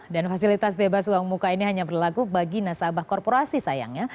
dan fasilitas bebas uang muka ini hanya berlaku bagi nasabah korporasi sayangnya